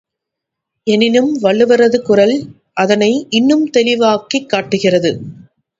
எனினும் வள்ளுவரது குறள் அதனை இன்னும் தெளிவாக்கிக் காட்டுகிறது.